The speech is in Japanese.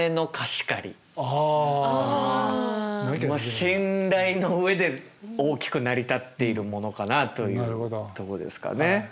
信頼の上で大きく成り立っているものかなというとこですかね。